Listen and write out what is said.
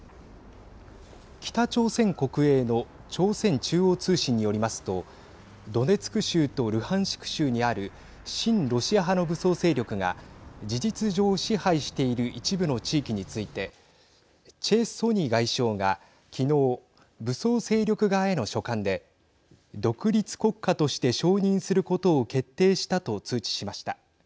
北朝鮮国営の朝鮮中央通信によりますとドネツク州とルハンシク州にある親ロシア派の武装勢力が事実上、支配している一部の地域についてチェ・ソニ外相がきのう、武装勢力側への書簡で独立国家として承認することを決定したと通知しました。